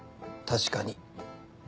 確かに。